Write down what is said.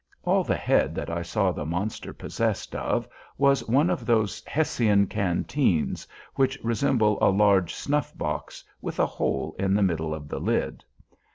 All the head that I saw the monster possessed of was one of those Hessian canteens which resemble a large snuff box with a hole in the middle of the lid.